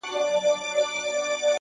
پوهه له لټون سره پراخیږي!